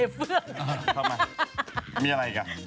เข้ามามีอะไรอีกครับ